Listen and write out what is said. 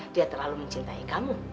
dia terlalu mencintai kamu